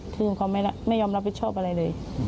คือเขาไม่ยอมรับผิดชอบอะไรเลย